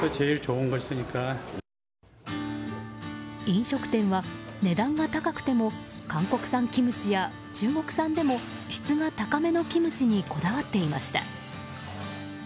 飲食店は、値段が高くても韓国産キムチや中国産でも質が高めのキムチにこだわっていました。